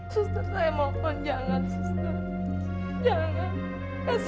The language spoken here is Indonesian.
suster saya mohon jangan suster